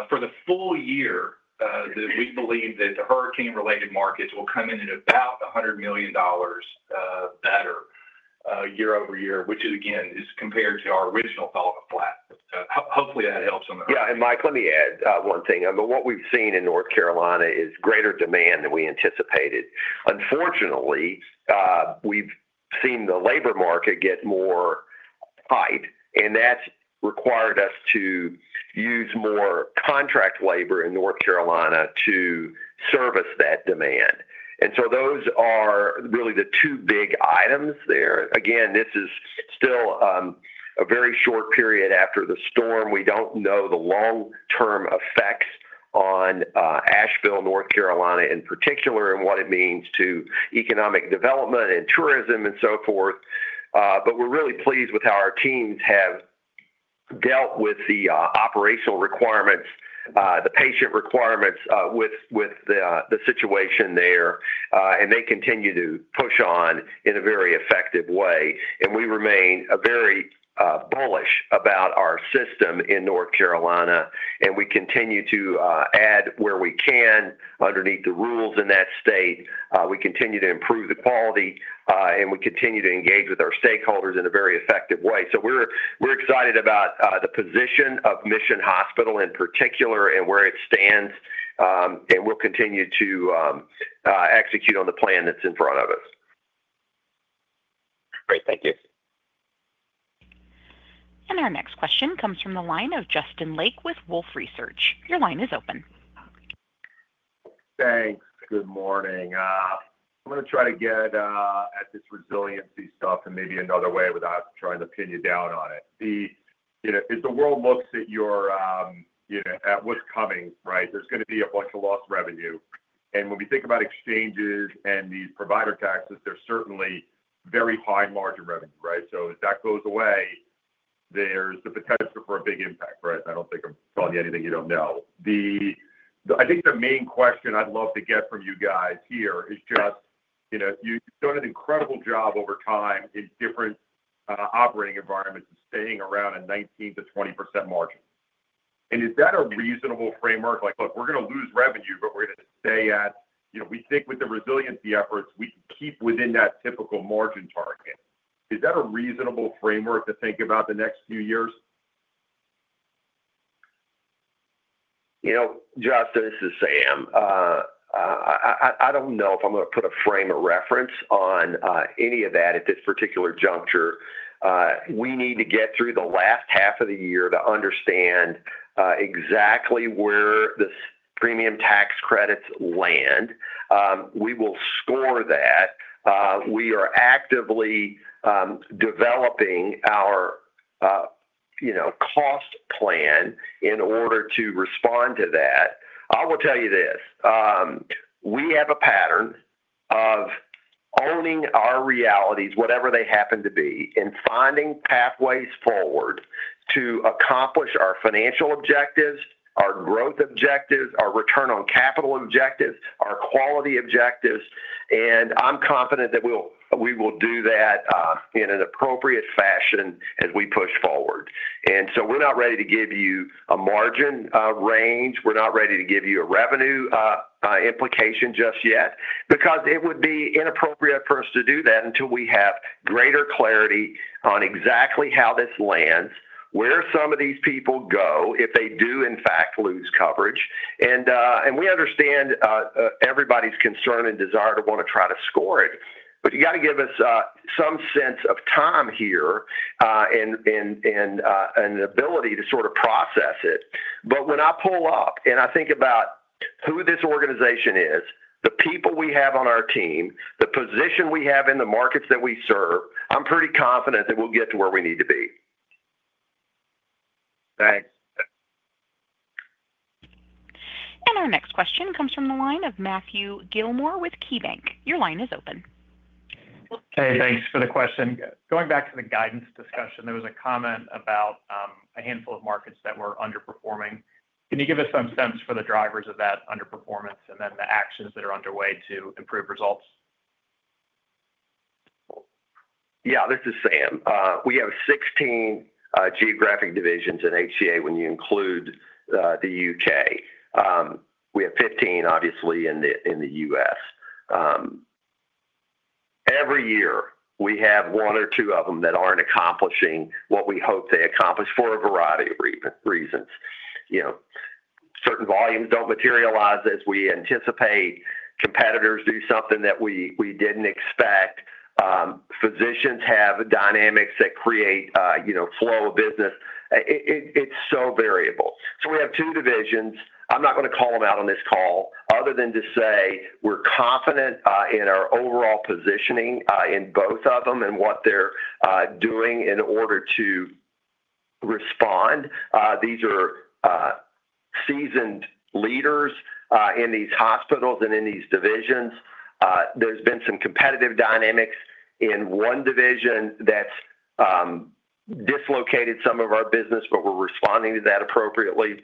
For the full year, we believe that the hurricane-related markets will come in at about $100 million better year-over-year, which again is compared to our original thought of flat. Hopefully, that helps on the. Yeah. Mike, let me add one thing. What we've seen in North Carolina is greater demand than we anticipated. Unfortunately, we've seen the labor market get more tight, and that's required us to use more contract labor in North Carolina to service that demand. Those are really the two big items there. Again, this is still a very short period after the storm. We don't know the long-term effects on Asheville, North Carolina in particular, and what it means to economic development and tourism and so forth. We're really pleased with how our teams have dealt with the operational requirements, the patient requirements with the situation there, and they continue to push on in a very effective way. We remain very bullish about our system in North Carolina, and we continue to add where we can underneath the rules in that state. We continue to improve the quality, and we continue to engage with our stakeholders in a very effective way. We're excited about the position of Mission Hospital in particular and where it stands. We'll continue to execute on the plan that's in front of us. Great. Thank you. Our next question comes from the line of Justin Lake with Wolfe Research. Your line is open. Thanks. Good morning. I'm going to try to get at this resiliency stuff in maybe another way without trying to pin you down on it. If the world looks at what's coming, right, there's going to be a bunch of lost revenue. And when we think about exchanges and these provider taxes, there's certainly very high margin revenue, right? If that goes away, there's the potential for a big impact, right? I don't think I'm telling you anything you don't know. I think the main question I'd love to get from you guys here is just, you've done an incredible job over time in different operating environments of staying around a 19%-20% margin. Is that a reasonable framework? Like, "Look, we're going to lose revenue, but we're going to stay at, we think with the resiliency efforts, we can keep within that typical margin target." Is that a reasonable framework to think about the next few years? Sam. I do not know if I am going to put a frame of reference on any of that at this particular juncture. We need to get through the last half of the year to understand exactly where the premium tax credits land. We will score that. We are actively developing our cost plan in order to respond to that. I will tell you this. We have a pattern of owning our realities, whatever they happen to be, and finding pathways forward to accomplish our financial objectives, our growth objectives, our return on capital objectives, our quality objectives. I am confident that we will do that in an appropriate fashion as we push forward. are not ready to give you a margin range. We are not ready to give you a revenue implication just yet because it would be inappropriate for us to do that until we have greater clarity on exactly how this lands, where some of these people go if they do, in fact, lose coverage. We understand everybody's concern and desire to want to try to score it. You have to give us some sense of time here and an ability to sort of process it. When I pull up and I think about who this organization is, the people we have on our team, the position we have in the markets that we serve, I am pretty confident that we will get to where we need to be. Thanks. Our next question comes from the line of Matthew Gilmore with KeyBanc. Your line is open. Hey, thanks for the question. Going back to the guidance discussion, there was a comment about a handful of markets that were underperforming. Can you give us some sense for the drivers of that underperformance and then the actions that are underway to improve results? Yeah. This is Sam. We have 16 geographic divisions in HCA when you include the U.K. We have 15, obviously, in the U.S. Every year, we have one or two of them that are not accomplishing what we hope they accomplish for a variety of reasons. Certain volumes do not materialize as we anticipate. Competitors do something that we did not expect. Physicians have dynamics that create flow of business. It is so variable. We have two divisions. I am not going to call them out on this call other than to say we are confident in our overall positioning in both of them and what they are doing in order to respond. These are seasoned leaders in these hospitals and in these divisions. There have been some competitive dynamics in one division that have dislocated some of our business, but we are responding to that appropriately.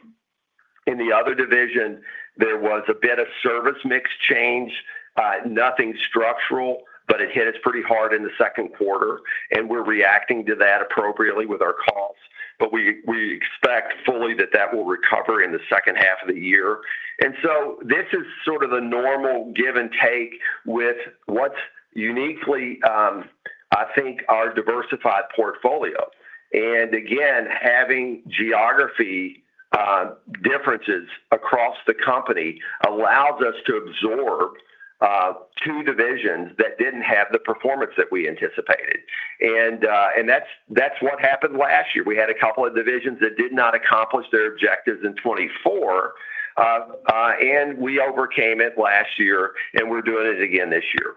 In the other division, there was a bit of service mix change. Nothing structural, but it hit us pretty hard in the second quarter. We are reacting to that appropriately with our costs. We expect fully that that will recover in the second half of the year. This is sort of the normal give and take with what is uniquely, I think, our diversified portfolio. Again, having geography differences across the company allows us to absorb two divisions that did not have the performance that we anticipated. That is what happened last year. We had a couple of divisions that did not accomplish their objectives in 2024. We overcame it last year, and we are doing it again this year.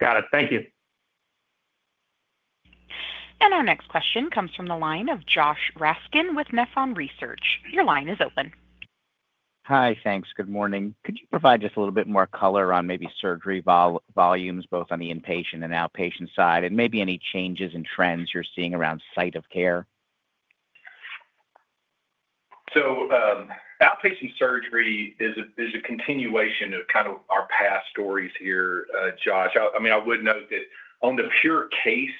Got it. Thank you. Our next question comes from the line of Josh Raskin with Nephron Research. Your line is open. Hi, thanks. Good morning. Could you provide just a little bit more color on maybe surgery volumes, both on the inpatient and outpatient side, and maybe any changes and trends you're seeing around site of care? Outpatient surgery is a continuation of kind of our past stories here, Josh. I mean, I would note that on the pure case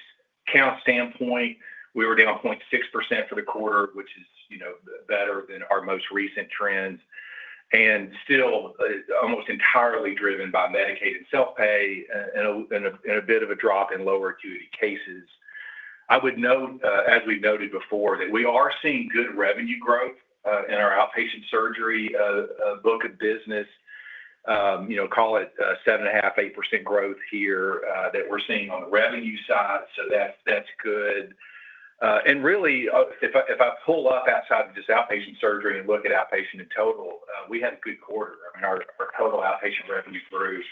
count standpoint, we were down 0.6% for the quarter, which is better than our most recent trends, and still almost entirely driven by Medicaid and self-pay and a bit of a drop in lower acuity cases. I would note, as we've noted before, that we are seeing good revenue growth in our outpatient surgery book of business. Call it 7.5%-8% growth here that we're seeing on the revenue side. That is good. Really, if I pull up outside of just outpatient surgery and look at outpatient in total, we had a good quarter. Our total outpatient revenue grew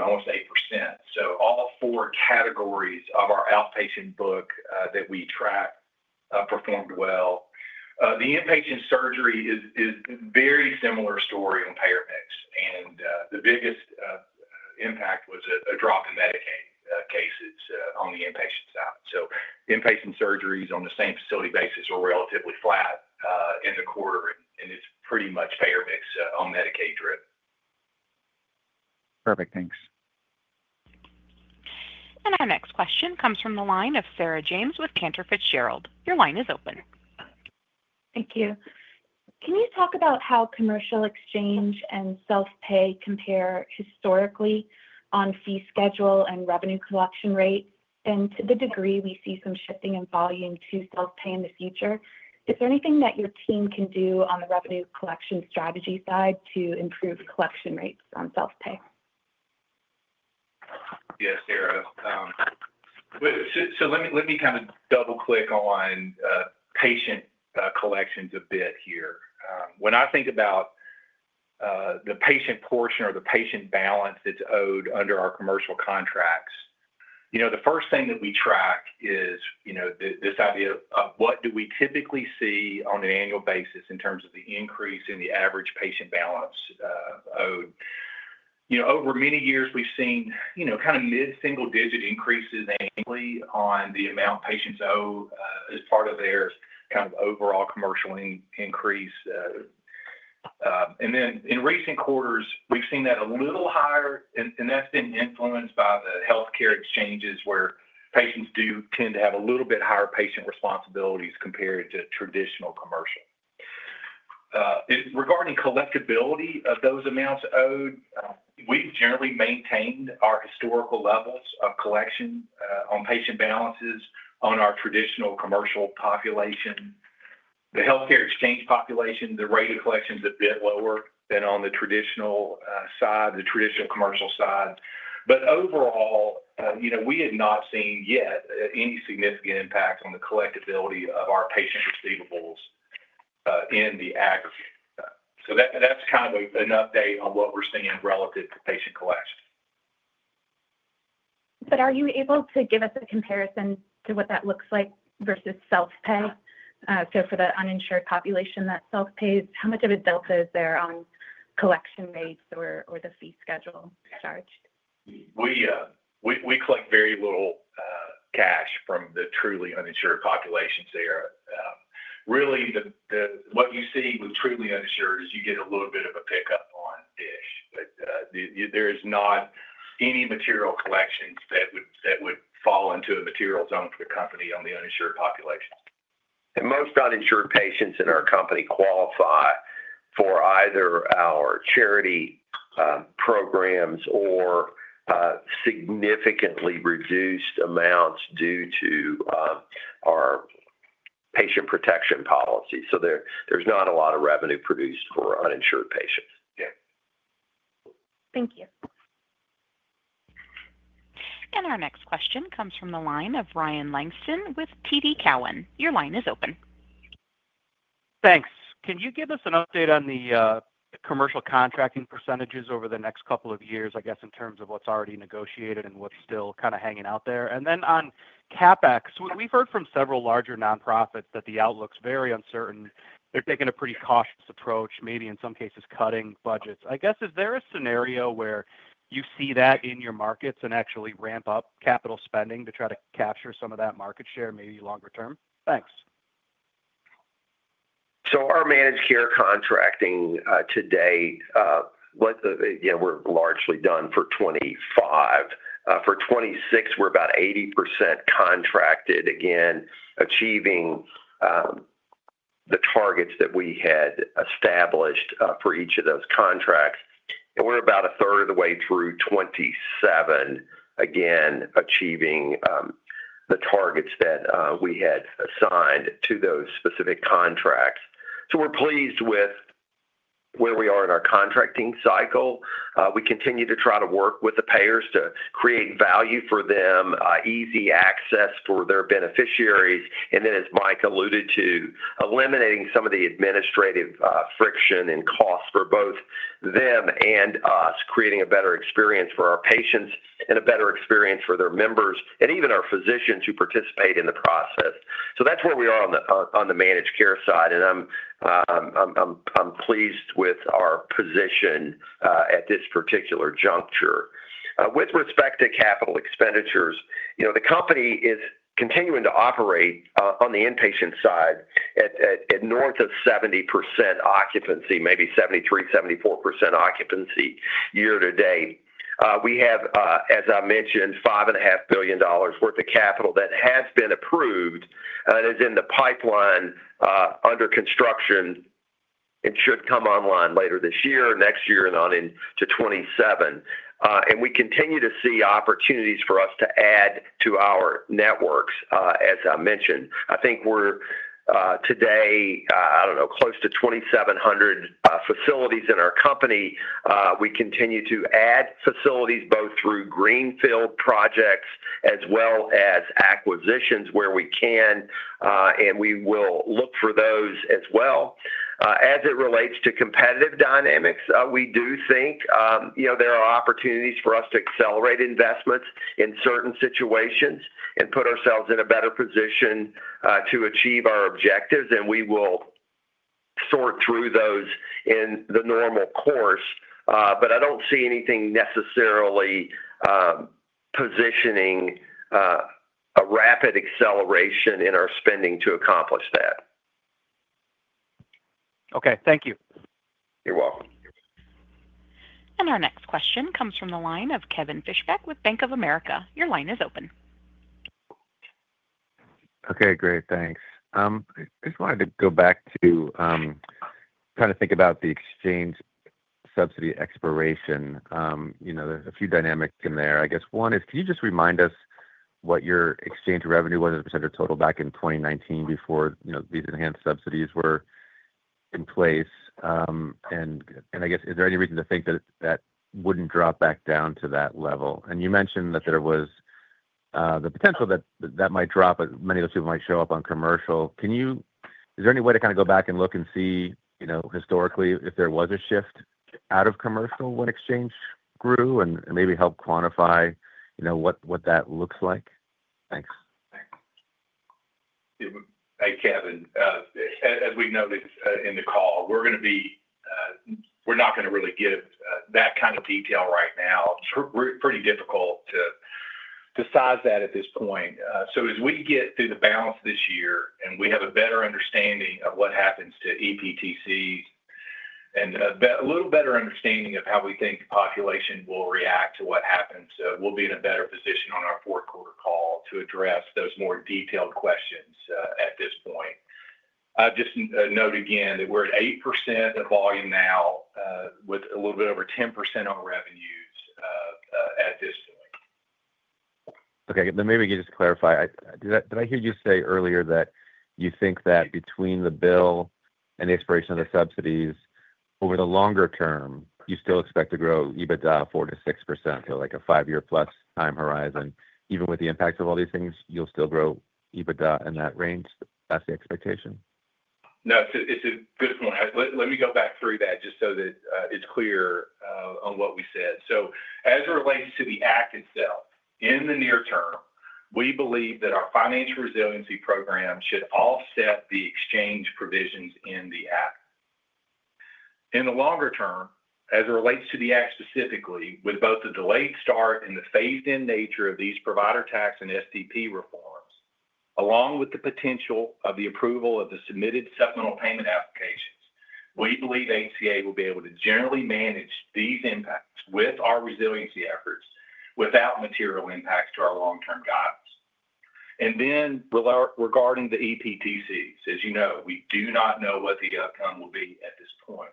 almost 8%. All four categories of our outpatient book that we track performed well. The inpatient surgery is a very similar story on payer mix. The biggest impact was a drop in Medicaid cases on the inpatient side. Inpatient surgeries on the same facility basis were relatively flat in the quarter, and it is pretty much payer mix on Medicaid driven. Perfect. Thanks. Our next question comes from the line of Sarah James with Cantor Fitzgerald. Your line is open. Thank you. Can you talk about how commercial exchange and self-pay compare historically on fee schedule and revenue collection rates? To the degree we see some shifting in volume to self-pay in the future, is there anything that your team can do on the revenue collection strategy side to improve collection rates on self-pay? Yeah, Sarah. Let me kind of double-click on patient collections a bit here. When I think about the patient portion or the patient balance that's owed under our commercial contracts, the first thing that we track is this idea of what do we typically see on an annual basis in terms of the increase in the average patient balance owed. Over many years, we've seen kind of mid-single-digit increases annually on the amount patients owe as part of their kind of overall commercial increase. In recent quarters, we've seen that a little higher, and that's been influenced by the healthcare exchanges where patients do tend to have a little bit higher patient responsibilities compared to traditional commercial. Regarding collectibility of those amounts owed, we've generally maintained our historical levels of collection on patient balances on our traditional commercial population. The healthcare exchange population, the rate of collection is a bit lower than on the traditional commercial side. Overall, we had not seen yet any significant impact on the collectibility of our patient receivables in the aggregate. That's kind of an update on what we're seeing relative to patient collection. Are you able to give us a comparison to what that looks like versus self-pay? For the uninsured population that self-pays, how much of a delta is there on collection rates or the fee schedule charged? We collect very little cash from the truly uninsured populations, Sarah. Really, what you see with truly uninsured is you get a little bit of a pickup on DISH. There is not any material collections that would fall into a material zone for the company on the uninsured population. Most uninsured patients in our company qualify for either our charity programs or significantly reduced amounts due to our patient protection policy. There is not a lot of revenue produced for uninsured patients. Thank you. Our next question comes from the line of Ryan Langston with TD Cowen. Your line is open. Thanks. Can you give us an update on the commercial contracting percentages over the next couple of years, I guess, in terms of what's already negotiated and what's still kind of hanging out there? On CapEx, we've heard from several larger nonprofits that the outlook's very uncertain. They're taking a pretty cautious approach, maybe in some cases cutting budgets. I guess, is there a scenario where you see that in your markets and actually ramp up capital spending to try to capture some of that market share, maybe longer term? Thanks. Our managed care contracting today, we're largely done for 2025. For 2026, we're about 80% contracted, again, achieving the targets that we had established for each of those contracts. And we're about a third of the way through 2027, again, achieving the targets that we had assigned to those specific contracts. We're pleased with where we are in our contracting cycle. We continue to try to work with the payers to create value for them, easy access for their beneficiaries. As Mike alluded to, eliminating some of the administrative friction and costs for both them and us, creating a better experience for our patients and a better experience for their members and even our physicians who participate in the process. That's where we are on the managed care side. I'm pleased with our position at this particular juncture. With respect to capital expenditures, the company is continuing to operate on the inpatient side at north of 70% occupancy, maybe 73%-74% occupancy year-to-date. We have, as I mentioned, $5.5 billion worth of capital that has been approved and is in the pipeline under construction. It should come online later this year, next year, and on into 2027. We continue to see opportunities for us to add to our networks, as I mentioned. I think we're today, I don't know, close to 2,700 facilities in our company. We continue to add facilities both through greenfield projects as well as acquisitions where we can, and we will look for those as well. As it relates to competitive dynamics, we do think there are opportunities for us to accelerate investments in certain situations and put ourselves in a better position to achieve our objectives. We will sort through those in the normal course. I don't see anything necessarily positioning a rapid acceleration in our spending to accomplish that. Okay. Thank you. You're welcome. Our next question comes from the line of Kevin Fishback with Bank of America. Your line is open. Okay. Great. Thanks. I just wanted to go back to kind of think about the exchange subsidy expiration. There's a few dynamics in there. I guess one is, can you just remind us what your exchange revenue was as a percentage total back in 2019 before these enhanced subsidies were in place? I guess, is there any reason to think that that wouldn't drop back down to that level? You mentioned that there was the potential that that might drop, but many of those people might show up on commercial. Is there any way to kind of go back and look and see historically if there was a shift out of commercial when exchange grew and maybe help quantify what that looks like? Thanks. Hey, Kevin. As we noted in the call, we're going to be— We're not going to really give that kind of detail right now. It's pretty difficult to decide that at this point. As we get through the balance of this year and we have a better understanding of what happens to EPTCs and a little better understanding of how we think the population will react to what happens, we'll be in a better position on our fourth quarter call to address those more detailed questions at this point. Just note again that we're at 8% of volume now with a little bit over 10% on revenues at this point. Okay. Maybe you can just clarify. Did I hear you say earlier that you think that between the bill and the expiration of the subsidies, over the longer term, you still expect to grow EBITDA 4%-6% to a five-year-plus time horizon? Even with the impacts of all these things, you'll still grow EBITDA in that range? That's the expectation? No, it's a good point. Let me go back through that just so that it's clear on what we said. As it relates to the act itself, in the near-term, we believe that our financial resiliency program should offset the exchange provisions in the act. In the longer term, as it relates to the act specifically, with both the delayed start and the phased-in nature of these provider tax and STP reforms, along with the potential of the approval of the submitted supplemental payment applications, we believe HCA will be able to generally manage these impacts with our resiliency efforts without material impacts to our long-term guidance. Regarding the EPTCs, as you know, we do not know what the outcome will be at this point.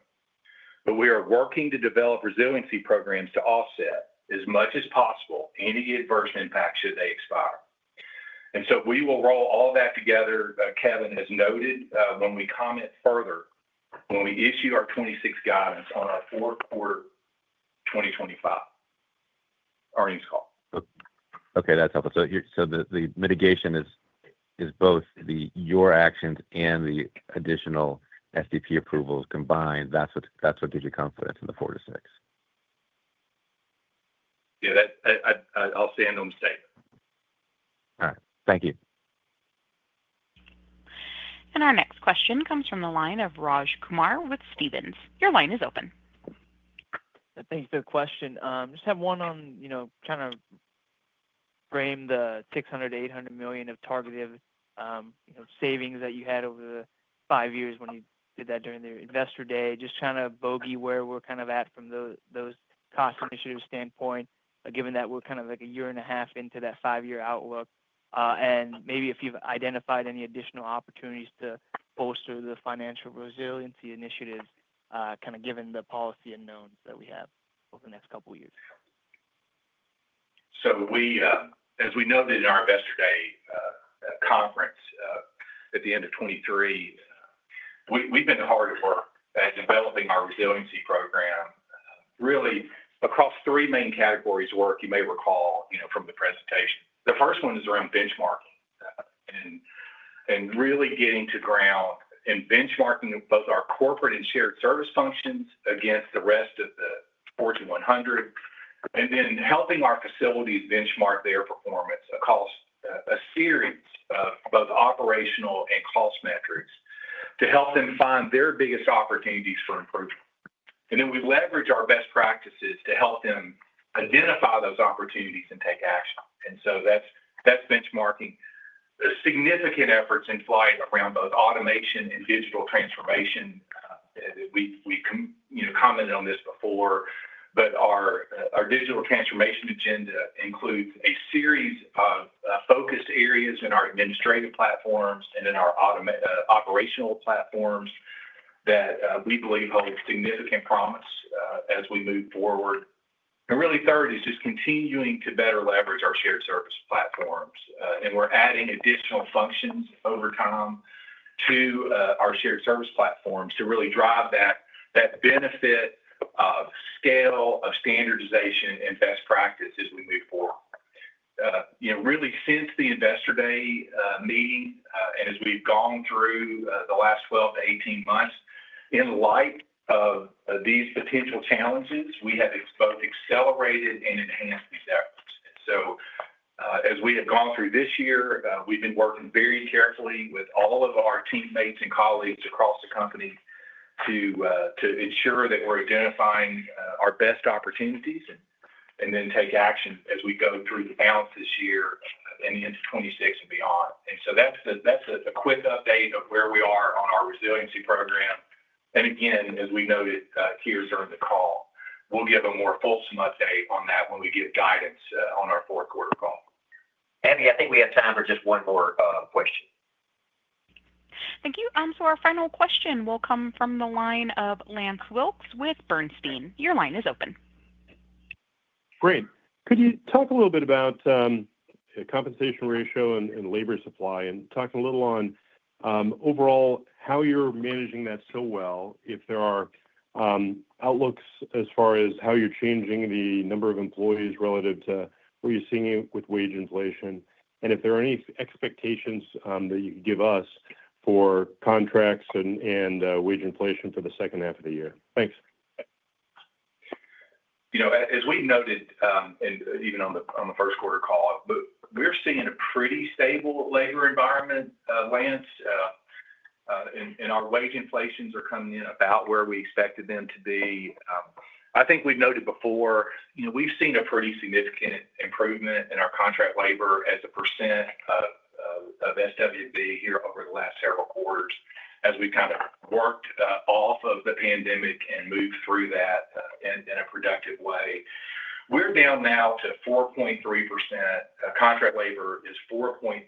We are working to develop resiliency programs to offset as much as possible any adverse impacts should they expire. We will roll all that together, Kevin, as noted, when we comment further when we issue our 2026 guidance on our fourth quarter 2025 earnings call. Okay. That's helpful. The mitigation is both your actions and the additional STP approvals combined. That's what gives you confidence in the four to six. Yeah. I'll stand on the statement. All right. Thank you. Our next question comes from the line of Raj Kumar with Stephens. Your line is open. Thanks for the question. Just have one on kind of frame the $600 million-$800 million of targeted savings that you had over the five years when you did that during the investor day. Just kind of bogey where we're kind of at from those cost initiatives standpoint, given that we're kind of like a year and a half into that five-year outlook. Maybe if you've identified any additional opportunities to bolster the financial resiliency initiatives, kind of given the policy unknowns that we have over the next couple of years. As we noted in our investor day conference at the end of 2023, we've been hard at work at developing our resiliency program, really across three main categories of work. You may recall from the presentation, the first one is around benchmarking and really getting to ground and benchmarking both our corporate and shared service functions against the rest of the Fortune 100. Then helping our facilities benchmark their performance across a series of both operational and cost metrics to help them find their biggest opportunities for improvement. We leverage our best practices to help them identify those opportunities and take action. That's benchmarking. Significant efforts are in flight around both automation and digital transformation. We've commented on this before, but our digital transformation agenda includes a series of focused areas in our administrative platforms and in our operational platforms that we believe hold significant promise as we move forward. Third is just continuing to better leverage our shared service platforms. We're adding additional functions over time to our shared service platforms to really drive that benefit of scale, of standardization, and best practices as we move forward. Since the investor day meeting and as we've gone through the last 12-18 months, in light of these potential challenges, we have both accelerated and enhanced these efforts. As we have gone through this year, we've been working very carefully with all of our teammates and colleagues across the company to ensure that we're identifying our best opportunities and then take action as we go through the balance of this year and into 2026 and beyond. That's a quick update of where we are on our resiliency program. Again, as we noted here during the call, we'll give a more fulsome update on that when we give guidance on our fourth quarter call. Andy, I think we have time for just one more question. Thank you. Our final question will come from the line of Lance Wilkes with Bernstein. Your line is open. Great. Could you talk a little bit about compensation ratio and labor supply and talk a little on overall how you're managing that so well if there are outlooks as far as how you're changing the number of employees relative to what you're seeing with wage inflation and if there are any expectations that you can give us for contracts and wage inflation for the second half of the year? Thanks. As we noted, and even on the first quarter call, we're seeing a pretty stable labor environment, Lance. Our wage inflations are coming in about where we expected them to be. I think we've noted before, we've seen a pretty significant improvement in our contract labor as a percent of SWB here over the last several quarters as we've kind of worked off of the pandemic and moved through that in a productive way. We're down now to 4.3%. Contract labor is 4.3% of SWB.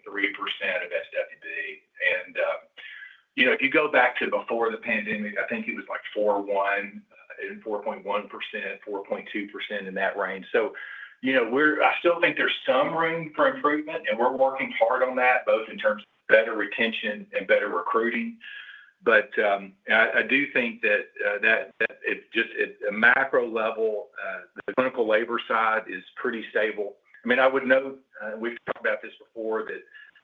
If you go back to before the pandemic, I think it was like 4.1%-4.2% in that range. I still think there's some room for improvement, and we're working hard on that both in terms of better retention and better recruiting. I do think that just at a macro level, the clinical labor side is pretty stable. I mean, I would note, and we've talked about this before, that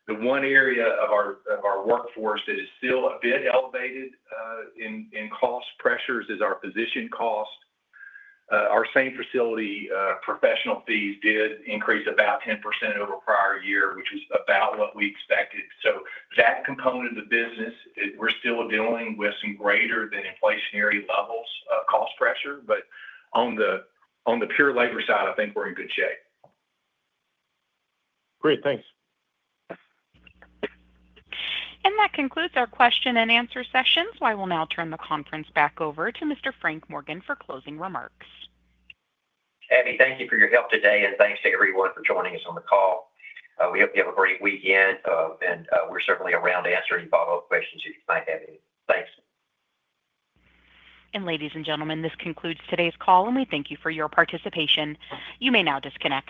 the one area of our workforce that is still a bit elevated in cost pressures is our physician cost. Our same facility professional fees did increase about 10% over the prior year, which was about what we expected. That component of the business, we're still dealing with some greater than inflationary levels of cost pressure. On the pure labor side, I think we're in good shape. Great. Thanks. That concludes our question-and-answer sessions. I will now turn the conference back over to Mr. Frank Morgan for closing remarks. Abby, thank you for your help today, and thanks to everyone for joining us on the call. We hope you have a great weekend, and we're certainly around to answer any follow-up questions if you might have any. Thanks. Ladies and gentlemen, this concludes today's call, and we thank you for your participation. You may now disconnect.